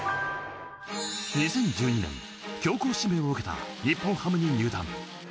２０１２年強行指名を受けた日本ハムに入団。